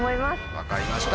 分かりました。